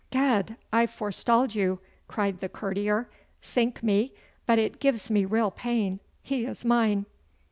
'Ged, I've forestalled you,' cried the courtier. 'Sink me, but it gives me real pain. He is mine.